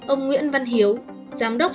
ông nguyễn văn hiếu giám đốc